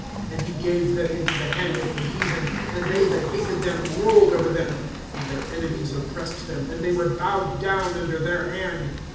*^ And he gave them into the hand of the heathen, And they that hated them ruled over them. " And Iheir enemies oppressed them. And they were bowed down under their hand.